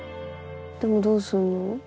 でもどうすんの？